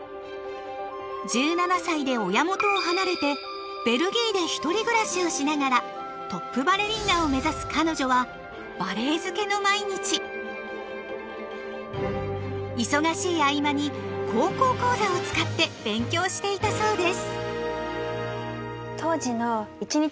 １７歳で親元を離れてベルギーで一人暮らしをしながらトップバレリーナを目指す彼女は忙しい合間に「高校講座」を使って勉強していたそうです。